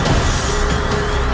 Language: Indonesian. aku akan terus memburumu